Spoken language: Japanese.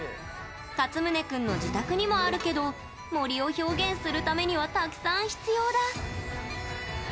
かつむね君の自宅にもあるけど森を表現するためにはたくさん必要だ。